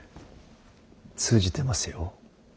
通じてますよ。